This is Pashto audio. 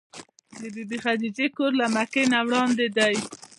د بي بي خدېجې کور له مکې نه وړاندې دی.